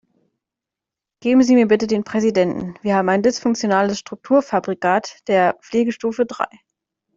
Geben Sie mir bitte den Präsidenten, wir haben ein dysfunktionales Strukturfabrikat der Pflegestufe drei.